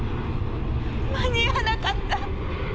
間に合わなかった。